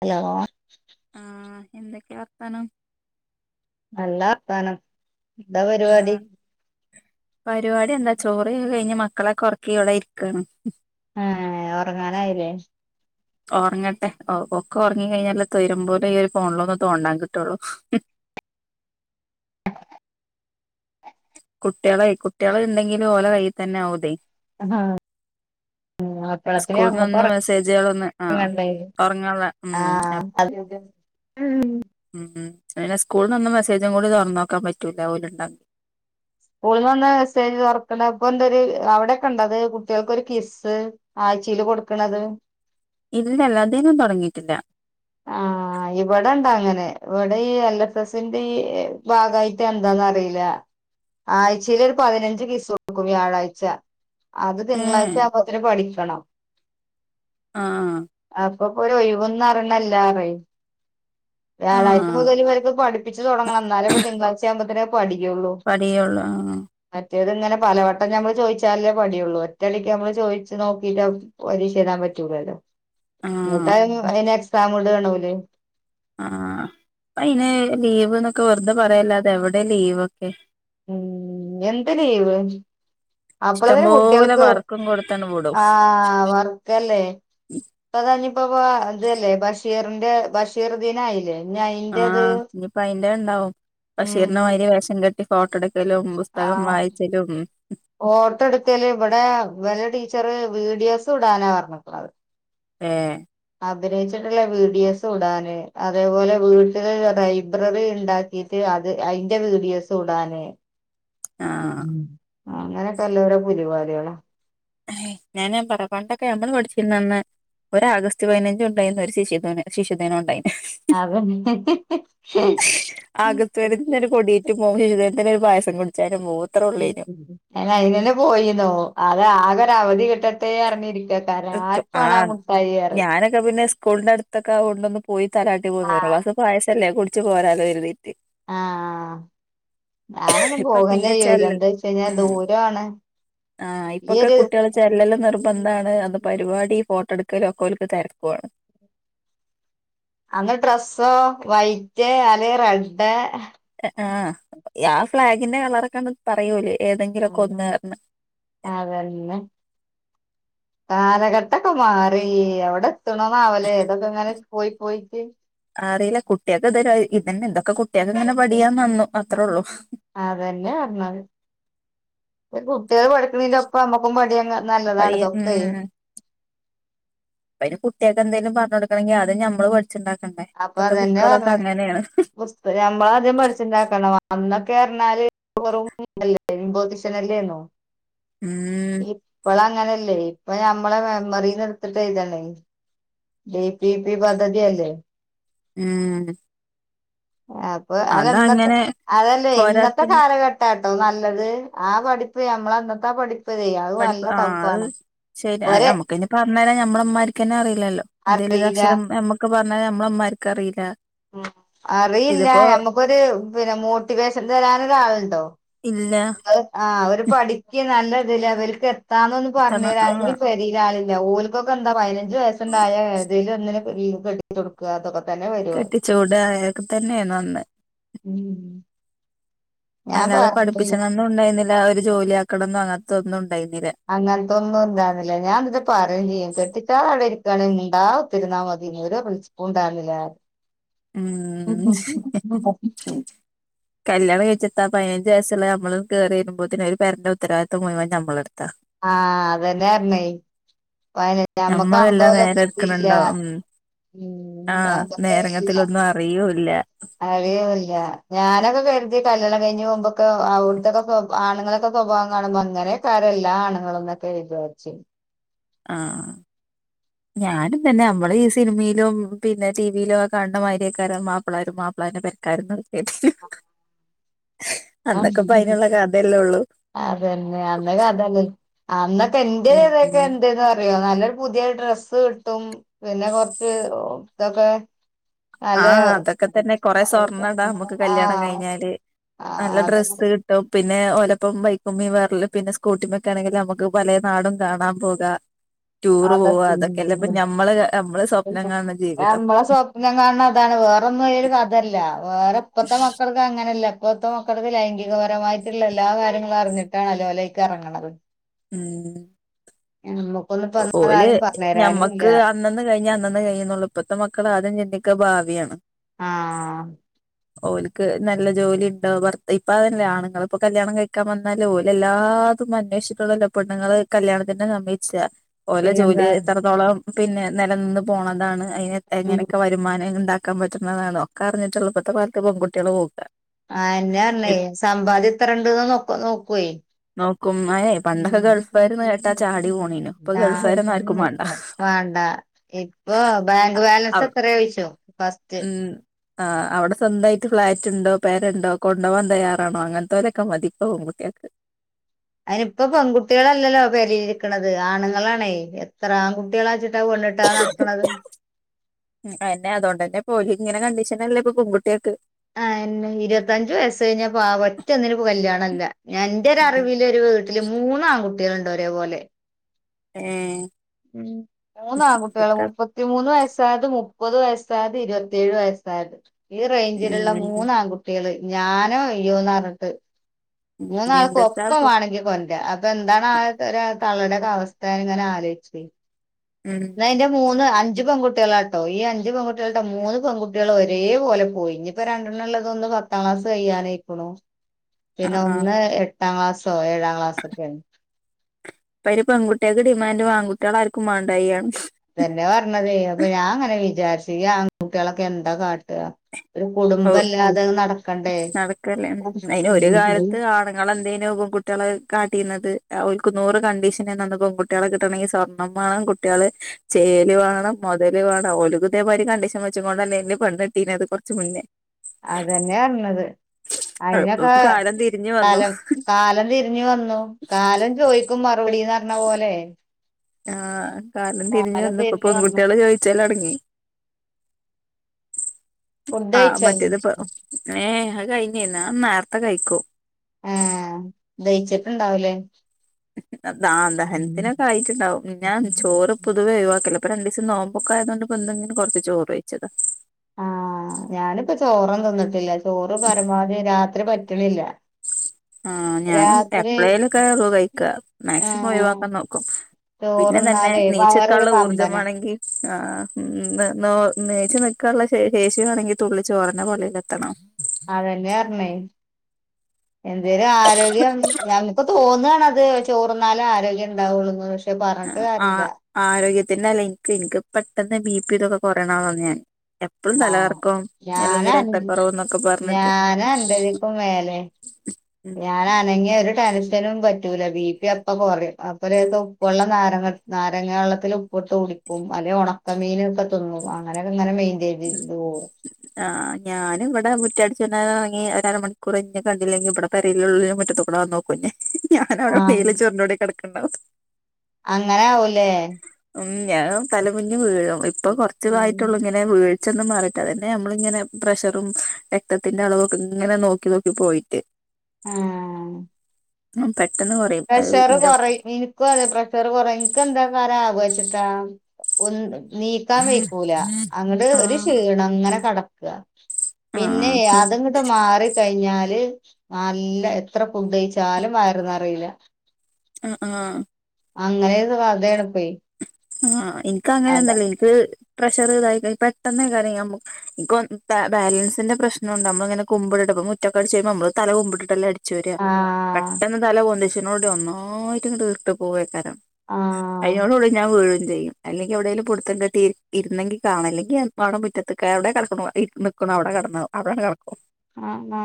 Hello ആ എന്തൊക്കെയ വാർത്തനം നല്ല വർത്താനം എന്താ പരിപാടി ആഹ് പരിപാടി എന്താ ചോറിയൊക്ക കഴിഞ്ഞ് മക്കളെ ഉറക്കി ഇടെ ഇരിക്കാണ് ആ ഉറങ്ങാനായില്ലേ ഉറങ്ങട്ടെ ഓ ഒക്കെ ഉറങ്ങിയില്ലേ കഴിഞ്ഞല്ലോ തൊരുമ്പല്ലോ പോലെ ഈ ഒരു ഫോണിലൊന്ന് തോണ്ടാൻ കിട്ടുള്ളു അം [inaudible] കുട്ടികളെ കുട്ടികളെ ഉണ്ടെങ്കിലും ഓല കൈയ്യിൽ തന്നെ ആകുതെ ആ അപ്പളത്തിന് സ്കൂളിൽ ഞാമ്മക്ക് നിന്ന് മെസ്സേജുകളൊന്ന് ആഹ് ഉറങ്ങണ്ടേ ഒറങ്ങാനുള്ള ഉം ആ അപ്- അ [inaudible] ഉം ഉം സ്കൂളിൽ നിന്ന് മെസ്സേജും കൂടി തുറന്ന് നോക്കാൻ പറ്റൂല ഒര് ഉണ്ടെങ്കിൽ ഓൽ വന്ന് മെസ്സേജ് തുറക്കണ്ട അപ്പൊ എന്താ ഒരു അവിടെയൊക്കെ ഉണ്ടോ കുട്ടികൾക്കൊരു കിസ്സ് [unintelligible] ച്ച കൊടുക്കണത് [inaudible] ഇല്ല ഇവിടെന്നും തുടങ്ങിയിട്ടില്ല ആ ആ ഇവിടെണ്ട് അങ്ങനെ ഇവിടെ എൽ എസിന്റെ ഈ ഭാഗമായിട്ട് എന്താന്ന് അറിയില്ല ആഴ്ചയിൽ ഒരു പതിനഞ്ച് ക്വിസ് കെടുക്കും വ്യാഴാഴ്ച അത് ഏഹ് തിങ്കളാഴ്ച ആവുമ്പോത്തേക്കും പഠിക്കണം ആ ഇപ്പൊപ്പൊ ഒഴിവന്ന് അറണില്ലാറയ്. വ്യാഴാഴ്ച ആഹ് മുതൽ ഇവർക്ക് പഠപ്പിച്ച് തുടങ്ങണം. ന്നാലേ ഇപ്പൊ തിങ്കളാഴ്ച ആവുമ്പോത്തിന് പടിക്കൊള്ളു പടിയുള്ളൂ ആഹ് റ്റേത് ഇങ്ങനെ പലവട്ടം ഞമ്മള് ചോയിച്ചാലല്ലേ പടിയൊള്ളു. ഒറ്റയടിക്ക് നമ്മൾ ചോയ്ച്ച് നോക്കിയിട്ട് പരീഷ എഴുതാൻ പറ്റൂ പറ്റൂലല്ലോ?, ന്നട്ട് ആഹ് അയിന്, അയിന് എക്സാമിടാണ് ഓല്. ആഹ്. പ്പൊ അയിന്, ലീവ്ന്നൊക്കെ വെറുതെ പറയല്ലാതെ, എവിടെ ലീവൊക്കെ? മ്മ്. എന്താ ലീവ്? അപ്പളെങ്കിലും ഇഷ്ടംപോലെ കുട്ട്യാൾക്ക്. വർക്കും കൊടുത്തണ് വിടും ആഹ് വർക്കല്ലേ? പ്പളാ ഞ് ഇപ്പപോ ഇതല്ലേ! ബഷീറിന്റെ, ബഷീർ ദിനായില്ലേ? ഞയിന്റത് ത്തേ ണ്ടാവും. ബഷീറിനെമാതിരി വേഷം കെട്ടി ഫോട്ടോ ട്ക്കലും, പുസ്തകം ആഹ് വായിച്ചലും ഫോട്ടോ എടുക്കല് ഇവിടെ ഇവലെ ടീച്ചറ് വീഡിയോസ് വ്ടാനാ അറഞ്ഞ്ക്ക്ണത്. ഏഹ്!. അഭിനയിച്ചിട്ടുള്ള വീഡിയോസ് ഇടാന് അതേപോലെ വീട്ടില് ലൈബ്രറി ഉണ്ടാക്കിട്ട് അത് അതിന്റെ വീഡിയോസും ഇടാന് ആഹ് ഉം അങ്ങനൊക്കെല്ലൊരു പുലിവാലുകളാ ഞാന് പറ പണ്ടൊക്കെ നമ്മള് പഠിച്ചിരുന്നന്ന് ഒരു ആഗസ്റ്റ് പതിനഞ്ചും ഉണ്ടായിരുന്ന് ഒരു ശിശു ശിശുദിനോം ഉണ്ടായിരുന്നു അതന്നെ ആഗസ്റ്റ് പതിനഞ്ചിന് ഒരു കൊടേറ്റ് പോകും [unintelligible] തന്നെ പായസം കുടിച്ചാ അയിന് തന്നെ പോയിന്നോ അത് ആകെ ഒരു അവധി കിട്ട മുട്ടത്തേ അറിഞ്ഞിരിക്ക കാരണം ആർക്കേണം ആഹ് ആ മുട്ടായീ പറഞ് ഒക്കെ കൊണ്ടന്ന് പോയി തലാട്ടി പോന്ന വള്ള അസ് പായസല്ലേ കുടിച്ച് പോരാലോ കരുതി ആഹ് ഞാനൊന്നും ഇപ്പൊ പിന്നെ പോകലേ ഇല്ല ചെല്ലൽ എന്താ വെച്ച് കഴിഞ്ഞാ ഉം ദൂരാണ് ആഹ് ഈ ഇപ്പൊക്കെ ഒരു കുട്ടികൾ ചെല്ലല്ല് നിർത് എന്താണ് അത് പരിപാടി ഫോട്ടോ എടുക്കല് ഒക്കെ ഓല്ക്ക് തിരക്കുവാണ് അന്ന് ഡ്രെസ്സോ വൈറ്റ് അല്ലെ റെഡ് ആഹ് യാ ഫ്ളാഗിന്റെ കളറൊക്കങ്‌ പറയോല് ഏതെങ്കിലൊക്കെ ഒന്ന് അതന്നെ കാലഘട്ടൊക്കെ മാറി എവിടെത്ണോവാവലെ തൊക്കെങ്ങനെ പോയി പോയിട്ട് അറിയില്ല കുട്ട്യേക്കൊക്കെതായ് ഇതന്നെ എന്തൊക്കെ കുട്ട്യേക്ക്ങ്ങനെ പഠിയാൻ വന്നു അത്രേ ഉള്ളു അതന്നെ അർഞ്ഞാഹ് പം കുട്ട്യേള് പഠിക്ണേന്റെപ്പ അമ്മക്കും പടിയെങ്ങ പ്പയിയ ഉം ഉം പ്പയ്ന് കുട്ട്യേക്കെന്തേലും പർഞ്ഞോട് പ്പതെന്നെ അത് ഞമ്മളു പട് അപ്പൊ അതന്നെ പർഞ്ഞഹ് പുസ്തകമ്മളാദ്യം പഠിച്ചിണ്ടാക്കണം അന്ന തേർഞ്ഞാല് [unintelligible] മ്പോതിഷനല്ലേന്നോ ഉം അങ്ങനല്ലേ ഇപ്പൊ ഞമ്മളെ മെമ്മറിന്ന് എടുത്തിട്ട് എയ്താണേ ബി പി പി പദ്ധതിയല്ലേ ഉം അപ്പൊ അതന്നത്തെ അതങ്ങനെ അതല്ലേ ന്നത്തെ പോരാത്തിന് കാലഘട്ടാ എ പർഞത് ആ പഠിപ്പ് നമ്മൾ അന്നത്തെ ആ പഠി പഠിപ്പ് ആഹ് ശരി അ ഒരെ യമുക് ഇനി പ ന്നേര ഞമ്മളമ്മാര്ക്കെന്നെ അറിയിലല്ലോ. എന്തെലും ഒരു അറിയില്ല അക്ഷരം ഉം എമ്മക്ക് പർഞ്ഞരാ അമ്മളെമ്മാര്ക്ക് അറിയില്ല. ഉം അറിയില്ല ഇതിപ്പോ ഞമ്മക്കൊരു പിന്നെ മോട്ടിവേഷൻ തരാനൊരാളുണ്ടോ? ഇല്ല അഹ് ആഹ് അവര് പഠിക്ക നല്ലതിലെവെൽക്ക് എത്താന്നൊന്ന് ഇത്തവണ ആ പർഞ്ഞരാളുംകൂടി പരിയില് ആള് ല്ല ഓൽക്കൊക്കെ എന്താ പയിനഞ്ജ് വയസ്സുണ്ടായ ഏതിലോന്നിനെ കെ വി തിും കെട്ടിച്ചോട്ക്ക തൊക്കെ കെട്ടിച്ചൂടാ യൊക്കെ തന്നെന്ന് അന്ന് ഉം അല്ലാതെ പഠിപ്പിച്ചണന്നൊന്നുംയിന്നില്ല ഒരു ജോലി ആക്കണംന്നൊ അങ്ങൻത്തൊന്നു അങ്ങൻത്തൊന്നും ണ്ടാന്നില്ല ഞാൻന്നിട്ട് പറയും ചെയ്യും കെട്ടിച്ചാ കട്ടിട്ടാ അവിടെരി ക്കാണെ മ്ണ്ടാ ഉതിരുന്നോ മതി [unintelligible] ണ്ടായിരുന്നില്ല ഉം കല്യാണം കഴിച്ച്ഇതത്തായ് ഞാൻ വെസ്സല്ലേ ഞമ്മള് കെറിവെരുമ്പോൾതന് ഒരു പരണ്ട ഉരവാദിതം മുഴുവൻ ഞമ്മളെടുത്താ ആഹ അതന്നൊയിണ വയനല്ല നമ്മക്ക് അന്ത നമ്മളെല്ലാം പോലെ നേരെ ബുദ്ധിയില്ല എടുക്കണുണ്ടോ ഉം ഉം ആ ആ നേരങ്ങത്തിലൊന്നും അറിയൂല്ല അഴിയുമല്ല ഞാനൊക്കെ കെറുതി കല്യാണം കഴിഞ്ഞ്ഞഞ് മുമ്പൊക്കെ അവിടുത്തെൊക്കെ ആണുങ്ങളൊക്കെ സ്വഭാവം കാണുമ്പോ അങ്ങനെക്കാരെ എല്ലാം ആണുങ്ങളൾന്നൊക്കെ എഴ ചോദച്ചും ആഹ [unintelligible] ഞാനും തന്നെ നമ്മള് ഈ സിനിമയിലോ പിന്നെ ടിവിയിലോ കണ്ട മാാര്ര്യക്കാര മാപ്പിളാരും മാപ്പിള മ്ന്റെ പരക്കായിരുന്നു അന്നൊക്കെപ്പ അതിനുള്ള കഥയെല്ലേ ഉള്ളൂ അതെന്നെ അന്നൊക്കെ അതല്ല അന്നൊക്കെ എന്റെ ഇതൊക്കെ ഉം എന്തന്ന് പറയോ നല്ലൊരു പുതിയ ഡ്രസ്സ് കിട്ടും പിന്നെ കൊറച്ച് ഇതൊക്കെ നല്ല ആഹ അതൊക്കെ തന്നെ കൊറെ സ്വർണ്ണം ഇടാ നമുക്ക് കല്യാണം ആഹ് കഴിഞ്ഞാല് ആഹ് നല്ല അതൊക്കെ ഡ്രസ്സ് കിട്ടും പിന്നെ ചിലപ്പം ബൈക്കുമീ വേറൽ പിന്നെ സ്കൂട്ടി ഒക്ക ആണെങ്കിൽ നമുക്ക് പല നാടും കാണാൻ പോകാം ടൂർ പോവുക അതൊക്കെ അതൊക്കെല്ലേ ഇപ്പ ഞമ്മള് നമ്മള് സ്വപ്നം കാണുന്ന ജീവിതം ണ അതാണ് വേറൊന്നും ഒരു കഥല്ല വേറെ ഇപ്പഴത്തെ മക്കൾക്ക് അങ്ങനല്ല ഇപ്പൊത്ത മക്കൾക്ക് ലൈംഗികപരമായിട്ടുള്ള എല്ലാ കാര്യങ്ങളും അറിഞ്ഞിട്ടാണ് അലോലേക്ക് ഇറങ്ങണത് ഉം എ നമുക്കൊന്നും ഓല് ഞമ്മക്ക് അന്നന്ന് കഴിഞ്ഞാ ന്ന് കഴിയുന്നുള്ളൂ ഇപ്പഴത്തെ മക്കൾ ആദ്യം ചിന്തിക്ക ഭാവിയാണ് ആ ഓലക്ക് നല്ല ജോലി ഉണ്ടോ ഇപ്പ അതല്ല ആണുങ്ങൾ ഇപ്പൊ കല്യാണം കഴിക്കാൻ വന്നാല് ഓല എല്ലാ തും അന്വേഷിച്ചിട്ടുള്ളല്ല പെണ്ണൾ കല്യാണത്തിനെ സമ്മതിച്ച ഓലെ ജോലി പിന്നെന്താ എത്രത്തോളം പിന്നെ നിലനിന്ന് പോണതാണ് അതിന ഉം എങ്ങനെയൊക്കെ വരുമാനം ഇണ്ടാക്ക ആക്കാൻ പറ്റുന്നതാണോക്കെ അറിഞ്ഞിട്ടുള്ളപ്പോഴത്തെ കാലത്ത് പെകുട്ടികള് നോക്കുക ആഹ എന്നാ പറഞ്ഞേ സമ്പാദ്യ ഇത്രണ്ട്ന്ന് നോക്ക നോക്കുവേ നോക്കും ഏ പണ്ടൊക്കെ ഗൾഫായിരുന്നു കേട്ടാ ചാടി പോണീനു ആ ഗൾഫാരൊന്നും ആർക്കും വേണ്ട വേണ്ട ഇപ്പൊ ബാങ്ക് ബാലൻസ് അവ എത്ര ആയിച്ചോ ഉം ആ അവിടെ സ്വന്തമായിട്ട് ഫ്ളാറ്റ് ഉണ്ടോ പേരുണ്ടോ കൊണ്ടുപോവാൻ തയ്യാറാണോ അങ്ങനത്തെവരൊക്കെ മതി ഇപ്പൊ യാക്ക് [unintelligible] ഉ [inaudible] അതിനി ഇപ്പ പെൺകുട്ടികളല്ലല്ലോ പെലയിലിരിക്കണത് ആണുങ്ങളാണേ എത്ര ആൺകുട്ടികളാ ചിട്ട എന്നെ അതുകൊണ്ടന്നെ പോലി ഇങ്ങനെ കണ്ടീഷനല്ല ഇപ്പൊ പെൺകുട്ടിയൊക്ക് ആ ഇരുപത്തഞ്ചു വയസ്സ് കഴിഞ്ഞ പ ഒറ്റ കല്യാണമല്ല ഞാ എന്റെ അറിവിലൊരു വീട്ട അതില് മൂന്ന ആൺകുട്ടികളുണ്ട് ഒരേപോലെ ഏഹ് ഉം മുന്ന് ആൺകുട്ടികളാ എന്തുട്ടാ മുപ്പത്തി മൂന്ന് വയസ് ത് മുപ്പത് വയസായത് ഇരുപത്തിയേഴ് വയസ്സായത് ഈ റേഞ്ചിലുള്ള ഉം മൂന്ന ആൺകുട്ടികൾ ഞാനും [unintelligible] ന്നാറണ്ട് ഇന്ന് ഉം ആൾക്ക് എന്തുട്ടാപ്പൊ ഒപ്പംമാേണെങ്കിൽ കൊന് അപ്പൊ എന്താണ് ആ തള്ളയുടെ അവസ്ഥാന ഇങ്ങനെ ആലോചിച്ച ഉം എന്നന്റെ മൂന്ന്അഞ്ച അഞ്ച് പെൺകുട്ടികളാട്ടോ ഈ അഞ്ച് പെൺകുട്ടികൾട്ടോ മൂന്ന് പെൺുട്ടികൾ ഒരേ പോലെ പോയി ഇനിയിപ്പോ രണ്ടെണ്ണുള്ളതൊന്നും പത്താം ക്ലാസ് കഴ്യാനയിക്കണോ പിന്നെ ആഹ് ഒന്ന് എട്ടാം ക്ലാസ്സോ ഏഴാം ക്ലാസ്സൊക്കെയാണ് അപ്പ പെൺകുട്ടികൊ ഡിമാൻഡ് ആൺകുട്ടികൾ ആർക്കും മേണ്ടായിയാണ് തന്നെ പറഞ്ഞതെ അപ്പൊ ഞാൻ ഇങ്ങനെ വിചാരിച്ചും ഈ ആൺകുട്ടിയേളൊക്കെ എന്താ കാട്ടാ ഒരു ഔ കുടുംബംമല്ലാതെ അത് നട നടക്കല്ലേ ഉം അയിന് ഒരു കാലത്ത് ആണുങ്ങളെന്തേനു [unintelligible] കുട്ടിയളെ കാട്ടിന്നത് ഓൽക്ക് നൂറു കണ്ടീഷനേന്നു അന്ന് പെൺകുട്ടിയളെ കിട്ടണങ്കി. സ്വർണ്ണം മാണം. കുട്ടിയള് ചേല് വേണം മുതല് വേണം ഓൽകുതേമായിരി കണ്ടീഷൻ വെച്ച് കോണ്ടന്നെ ന്നെ പെണ്ണട്ടീനത് കുറച്ച മുന്നേ ർണത് ഇപ്പൊ അയിനൊക്കെ കാലം തിരിഞ്ഞു വന്നു കാലം കാലം തിരിഞ്ഞു വന്നു കാലം ചോദിക്കും മറുപടിന്ന് പറഞ്ഞ പോലെ ആഹ് കാലം തിരിഞ്ഞ് വന്ന് ഇപ്പം തിരിഞ്ഞു വന്നു പെൺകുട്ടിയേള് ചോയിച്ചലൊട്ങ്ങി ഫുഡ് ആ കഴിച്ചോ മറ്റേത്പ്പ ഏഹേ അഹ്കഴിഞ് ഞാ നേര്തെ കഴിക്കും ആ ദയിച്ചിട്ട്ണ്ടാവുലേ ആ ദഹൻത്തിനൊക്കെ ആയിട്ട്ണ്ടാവും ഞാൻ ചോറ് പൊതുവെ ഒഴിവാക്കല പ്പ രണ്ടിസം നോമ്പൊക്ക ആയതോണ്ട് പ്പ ന്തെങ്കിലും കൊർച്ച് ചോറ് വെയിച്ചതാ ആ ഞാനിപ്പ ചോറും തിന്നിട്ടില്ല ചോറ് പരമാവ്ധി രാത്രി പ റ്റ്ണില്ല ആ ഞാനും എപ്പളേലൊക്കെ കഴിക്ക മാക്സിമം ആഹ് ഒഴിവാക്കാൻ നോക്കും പിന്നെ തന്നെ ചോറുന്നാലേ വേറൊരു നീച്ക്കാള്ള ഊർജം കമ്പന വാണെങ്കി ആ മ് നീർ നീച് നി ക്കാൻള്ള ശേഷിമാണെങ്കി തുള്ളി ചോറന്നെ പള്ളേലെത്തണം അതന്നെ പർഞ്ഞേ എന്തേലും ആരോഗ്യം ഞമക്ക് തോന്നാണ ത് ചോറ്ന്നാലെ ആരോഗ്യണ്ടാവുള്ളൂന്ന് പഷെ പറഞ്ഞിട്ട് കാര്യല്ല പിന്നല്ല ഇൻക് ഇൻക്ക് പ്പെട്ടന്ന് ബി പി തൊക്കെ കൊറീണാള ഞാൻ എപ്പഴും ആ തലകറക്കം അല്ലെങ്കിൽ ഞാനൻ രക്തക്കുറവ് എന്നൊക്കെ പറഞ്ഞിട്ട് ഞാനൻപതിക്കു മേലെ ഞാന അനങ്ങിയ ഒരു ടെൻശനും പറ്റൂല ബി പി അപ്പ കൊറിം. അപ്പൊ ലേസം ഉപ്പുവള്ളം നാരങ്ങട്ട് നാരങ്ങ വള്ളത്തില് ഉപ്പ്ട്ട് കുടിക്കും. അല്ലെ ഒണക്കമീനൊക്കെ തിന്നും അങ്ങനെകങ്ങനെ മൈൻ ആ ഞാന് ഇവടെ മു [unintelligible] ഒര അര മണിക്കൂറെയ്ഞ് ന്നെ കണ്ടില്ലെങ്കി ഇബടെ പെരേലുള്ളാല് മുറിത്ത്ക്കൂടെ വന്നോക്കുന്നെ ഞാന് അവിടെ ആഹ് മേല് ചൊർഞ്ഞോണ്ട് കെടക്ണ്ടാവും അങ്ങനെ ആവുലേ ഉം ഞാൻ തലമുന്നി വീഴും ഇപ്പൊ കൊറച്ചുതായിട്ടൊള്ളു ഇങ്ങനെ വീ ഴ്ച്ചൊന്ന് മാറിയിട്ട് അതന്നെ ഞമ്മള് ഇങ്ങനെ പ്രഷറും രക്തത്തിന്റെ അളവൊക്കെ ഇങ്ങനെ നോക്കി നോക്കി പോയിട്ട് ആഹ് ഞാൻ പെ പ്രഷർ കൊറയ് ഇന്ക്കും അതെ പ്രഷർ കൊറയ ഇന്കെന്താകാര ആവോ ന്ന്ട്ടാ ഒന്ന് നീക്കാൻ വയ്ക്കൂല അങ്ങട്ട് ആ ഒര്ക്ഷീണം ങ്ങനെ കെട ക്ക. പിന്നെ ആ അത്ങ്ങട്ട് മാറിക്കഴിഞ്ഞാല് നല്ല എത്ര ഫുഡ്ഡയിച്ചാലും വയറ് നറീല അ ആ അങ്ങനെതു കഥേണ് പ്പെ ആ ഇൻകങ്ങനൊന്നല്ല ഇൻക് പ്രഷറ്തായികയ് പെട്ടെന്നെയ്കാര ഞാൻ വിക ഇൻക് വ ബാലൻസിന്റെ പ്രശ്നുണ്ട്. അപ്പങ്ങനെ കുമ്പ്ട് ടു മുറ്റക്കടിച്ചര്മ്പം നമ്മള് തല കുമ്പിട്ട്ട്ടല്ലെ അടി ചൊരാ. ആഹ് പെട്ടെന്ന് തല പൊന്തിച്ചിനോണ്ട് ഒന്നായിറ്റ്ങ്ങട്ട് ഇരിട്ട് പോവേക്കാരം ആഹ് അതിനോടുകൂടി ഞാൻ വീഴും ചെയ്യും. അല്ലെങ്കി എവിടേലും പുട്ത്തം കിട്ടി ഇര്ന്നെങ്കി കാണാ. ഇല്ലങ്കി ഞൻപ്പവ്ടെ മുറ്റത്ത്ക്കെ എവടെ കെടക്ണോ ഇര് നിക്ക്‌ണോ അവ്ടെ കെടന്നു അവിടാണ്ട് കെട ആ ആ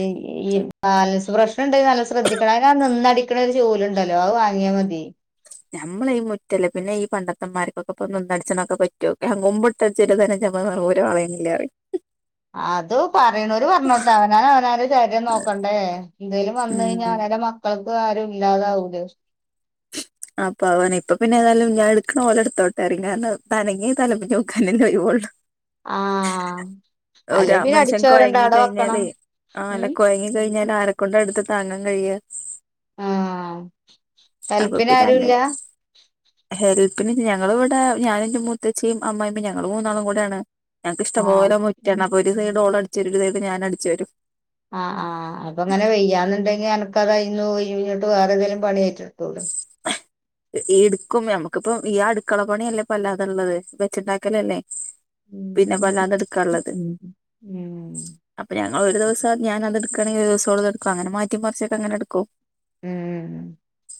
ഇ ഈ ബാലൻസ് പ്രശ് നണ്ട് നല്ലം ശ്രദ്ധിക്കണം. അയിനാ ആ നിന്നടിക്കണ ഒരു ചൂല്ണ്ടല്ലോ അഹ് വാങ്ങിയാമതി. ഞമ്മള ഈ മുറ്റല്ലെ. പിന്നെ ഈ പണ്ടത്തമ്മാര്ക്കൊക്കെപ്പൊ നിന്നടിച്ണക്കെ പറ്റൊ. കുമ്പിട്ട് അടിച്ചേര്‌യാ തന്നെ [unintelligible] [unintelligible] ഊര വളയ്ന്നില്ല പറിം അത് പറയ്ണോര് പർഞ്ഞോട്ടെ അവനാന് അവരാരെ ശരീരം നോക്കണ്ടേ എന്തേലും വന്നഴിഞ്ഞ ഉം അവ ഓരോ മക്കൾടെ ആരു ഇല്ലാതാവൂലെ ആഹ് പവന് ഇപ്പൊ പിന്നെ എതാലും ഞാൻ എട്ക്കണ പോലെ ഇട്ത്തോട്ടെറി കാരണം ഇത് അനങ്ങ്യ തലമുടി വെക്കാനും കഴുല്ല ആ അല്ലെ ഒരാ പിന്നെ മനുഷ്യൻ അടിച്ചവരുണ്ട് അവിടെ വെക്കണം കൊഴങ്ങികഴിഞ്ഞാലെ ആ അല്ല ഉം കൊഴങ്ങികഴിഞ്ഞാല് ആരക്കൊണ്ടട്ത്ത് താങ്ങാകയ്യ്ക ആഹ് അപ്പൊ പിന്നെ അങ്ങനെ ഹെല്പിനാരുല്യ ഹെൽപ്പിന് ഞങ്ങള്വ്ടെ ഞാനു എന്റെ മുത്തച്ചിയും അമ്മായിമ്മേം ഞങ്ങള് മൂന്നാളും കുടാണ് ഞങ്ങക്ക് ആ ഇഷ്ടപോലെ മുറ്റാണ് അപ്പൊ ഒരു സൈഡ്‌ ഓള അടിചെരുമ്പായെക്കു ഞാനടിച്ചേരും ആഹ് ആഹ് അപ്പൊ അങ്ങനെ വെയ്യാന്നുണ്ടെങ്കി എനക്ക്ത് കയ്യിന്നു പോയി ഞ്ഞിട്ട് വേറെ ഏതേലും പണി ഏറ്റെടുത്തുടെ എ എടുക്കും നമുക്കിപ്പ ഈ അടുക്കള പണിഅല്ലേപ്പല്ലാതള്ളത് വെച്ചുണ്ടാക്കല അല്ലേ പിന്നെപ്പത്താണ് എട്ക്കഉള്ളത് ഉം അപ്പൊ ഞങ്ങള്ൾ ഒരു ദിവസം ഞാനത് എടുക്കണെങ്കി ഒരു ദിസം അവളത് എടുക്കും അങ്ങനെ മാറ്റി മറിച്ചൊക്കെ അങ്ങനെ എടുക്കു ഉം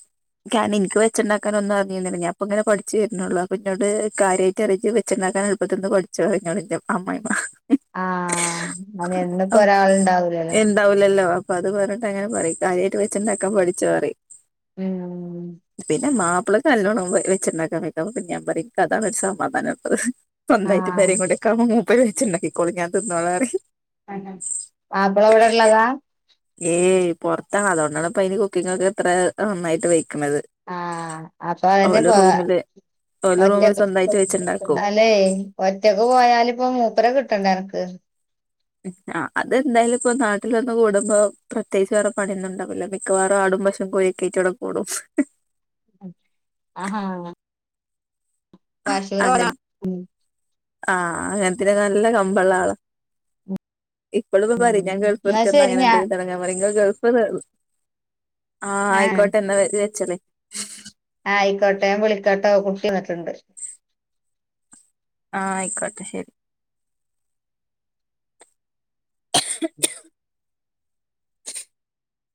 ഞൻ നിനാക്കായി വെച്ചുഉടക്കൻ ഒന്നു അറിയണ്ടതില്ല അപ്പ ഇങ്ങനെ പഠിച്ചുവെരുന്നുള്ളൂ അഹ് പിന്നോട് കാര്യയിട്ട്റിയിച്ച് വെച്ചു ഉണ്ടാക്കൻ എുപ്പത്തിന്ന് പഠി ചോയിക്ണിന്റെ അമ്മായിമ്മ ആ അത് [unintelligible] എന്നിപ്പോ ആം ഒരാളുണ്ടാവൂലല്ലോ എന്താവുലെല്ലോ അപ്പ അത് പറഞ്ഞിട്ട് അങ്ങനെ പറം കാര്യയിട്ട് വെച്ചിണ്ടക്ക പഠിച്ചോ പറയും ഉം എന്റെ മാപ്പളെക് നാല്ലോണം വെ വെച്ചിണ്ടക്കൻ കയ്യ്താവു അപ്പം ഞാൻ പറെം അതാണ് ഒരു സമാധാനം അത്രേം ഒന്നായിട്ട് ആ പരേ കൂടി ഒക്കാവൊ മൂപ്പര് വച്ചു ഉണ്ടാക്കിക്കോളഞ്ഞാ ഞാൻ തിനോളന് പറേം അങ്ങനെ മാപ്പള എവിടെ ഉള്ളതാ ഏയ് പുറത്താണ് അതുകൊണ്ടാണ് ഇപ്പ ഇന് കുക്കിംഗ ഒക്കെ എത്ര നന്നായിട്ട് വെക്കണുന്നത് ആഹ് അപ്പൊ അതന് പോ റൂമില് [unintelligible] [inaudible] ഓലെ റൂമിൽ സ്വന്തമായിട്ട് വെച്ചുണ്ടാക്കും അതെ ഒറ്റക്ക് പോയാല ഇപ്പ മൂപ്പര കിട്ട [unintelligible] ഉം ആഹ് അതെന്തായാലും ഇപ്പൊ നാട്ടിലൊന്നും കൂടുമ്പോ പ്രത്യേകിച്ചു വേറെ പണിയൊന്നും ഉണ്ടാവില്ല മിക്കവാറും ആ [unintelligible] കോയീകെറ്റടക്കൂടും [unintelligible] ആഹാ അങ്ങൻ [unintelligible] ഉം ആഹ് [unintelligible] നല്ല കമ്പള്ള ആള് ഇപ്പളും [unintelligible] ഞാൻ ഗൾഫ് എന്നാ നിർത്തി വന്നാൽ ശരി ഞാൻ ഞാ എന്തെങ്കിലും തുടങ്ങാൻ പറയും [unintelligible] ഗൾഫ് നിർ ആഹ് ആയിക്കോട്ടെ എന്നെ വച്ചലീ ആയിക്കോട്ടെ വിളിക്കട്ടോ കുട്ടിവത്ണ്ട് ആയിക്കോട്ടെ ശരി